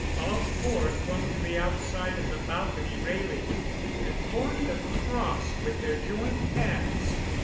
All four clung to the outside of the balcony railing, and formed a cross with their joined hands.